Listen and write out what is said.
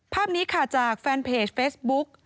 ภาพนี้ค่ะจากแฟนเพจเฟซบุ๊ก